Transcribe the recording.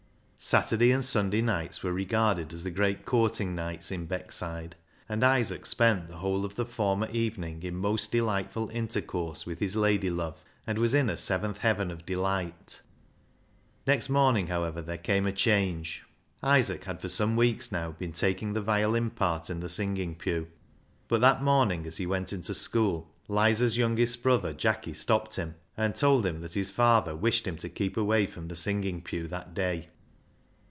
Saturday and Sunday nights were regarded as the great courting nights in Beckside, and Isaac spent the whole of the former evening in most delightful intercourse with his lady love, and was in a seventh heaven of delight. Next morning, however, there came a change. ISAAC'S FIDDLE 305 Isaac had for some few weeks now been taking the violin part in the singing pew, but that morning as he went into school Lizer's youngest brother, Jacky, stopped him, and told him that his father wished him to keep away from the singing pew that day.